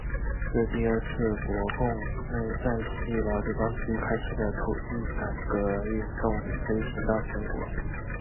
自第二次国共内战时期老解放区开始的土地改革运动推行到全国。